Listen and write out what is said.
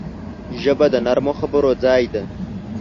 ژبه د نرمو خبرو ځای ده